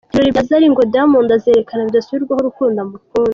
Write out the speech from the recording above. Ibirori bya Zari ngo Diamond azerekana bidasubirwaho urukundo amukunda.